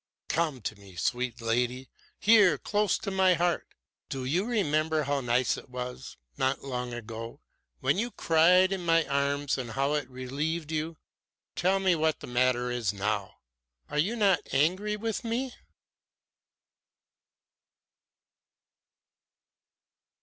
"Come to me, sweet lady here, close to my heart. Do you remember how nice it was, not long ago, when you cried in my arms, and how it relieved you? Tell me what the matter is now. You are not angry with me?"